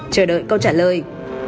chờ đợi câu trả lời